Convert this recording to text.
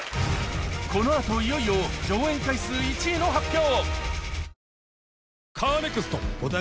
この後いよいよ上演回数１位の発表